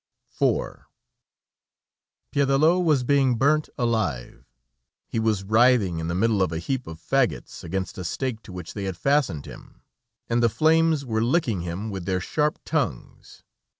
IV Piédelot was being burnt alive. He was writhing in the middle of a heap of fagots, against a stake to which they had fastened him, and the flames were licking him with their sharp tongues.